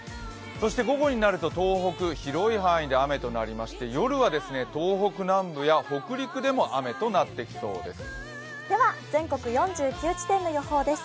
そして午後になると東北広い範囲で雨となりまして夜は東北南部や北陸でも雨となってきそうです。